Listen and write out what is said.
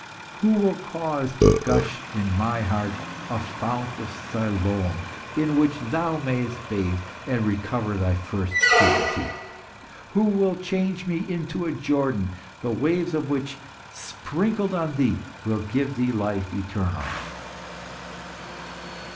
Who will cause to gush in my heart a fount of Siloam, in which thou mayest bathe and recover thy first purity? Who will change me into a Jordan, the waves of which sprinkled on thee, will give thee life eternal?"